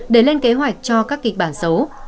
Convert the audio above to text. để lên kế hoạch cho các kịch bản xấu